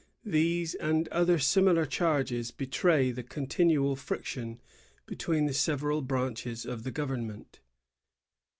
* These and other similar charges betray the con tinnal friction between the several branches of the government.